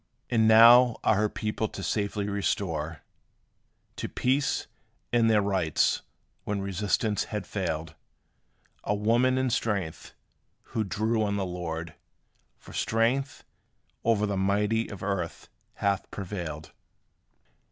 And now are her people to safety restored To peace, and their rights, when resistance had failed: A woman in weakness, who drew on the Lord For strength, o'er the mighty of earth hath prevailed.